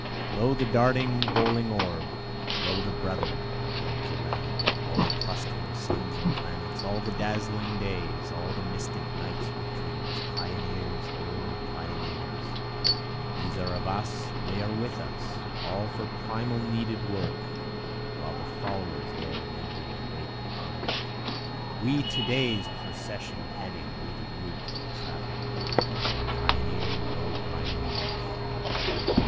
Lo, the darting bowling orb! Lo, the brother orbs around, all the clustering suns and planets, All the dazzling days, all the mystic nights with dreams, Pioneers! O pioneers! These are of us, they are with us, All for primal needed work, while the followers there in embryo wait behind, We to day's procession heading, we the route for travel clearing, Pioneers! O pioneers!